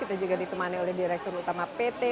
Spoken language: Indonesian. kita juga ditemani oleh direktur utama pt